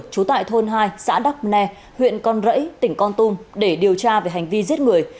trú tại thôn hai xã đắc nê huyện con rẫy tỉnh con tum để điều tra về hành vi giết người